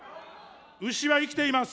牛は生きています。